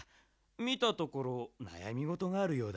みたところなやみごとがあるようだが？